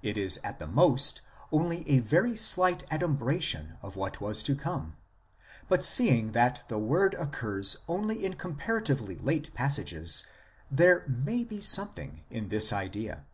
It is at the most only a very slight adumbration of what was to come ; but seeing that the word occurs only in comparatively late passages, there may be something in this idea.